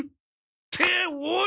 っておい！